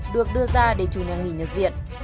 được đưa ra để chủ nhà nghỉ nhật diện